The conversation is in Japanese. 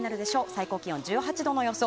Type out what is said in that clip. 最高気温、１８度の予想。